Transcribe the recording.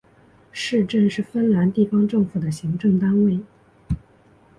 市镇是芬兰地方政府的行政单位。